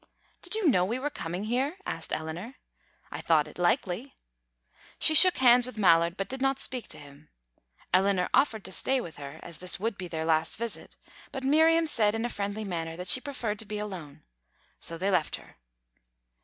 "Did you know we were coming here?" asked Eleanor. "I thought it likely." She shook hands with Mallard, but did not speak to him. Eleanor offered to stay with her, as this would be their last visit, but Miriam said in a friendly manner that she preferred to be alone. So they left her.